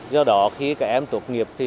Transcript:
do đó khi các em tốt nghiệp